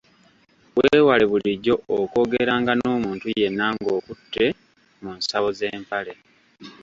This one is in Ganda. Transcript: Weewale bulijjo okwogeranga n’omuntu yenna ng’okutte mu nsawo z’empale.